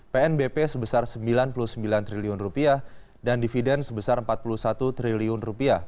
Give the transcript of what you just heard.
pnbp sebesar rp sembilan puluh sembilan triliun dan dividen sebesar rp empat puluh satu triliun